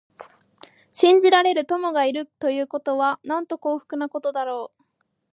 信じられる友がいるということは、なんと幸福なことだろう。